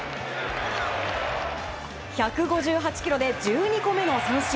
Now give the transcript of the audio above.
１５８キロで１２個目の三振。